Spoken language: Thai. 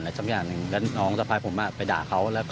แล้วน้องทะพายผมไปด่าเขา